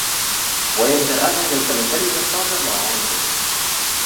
Fue enterrada en el cementerio de Saint-Germain-en-Laye.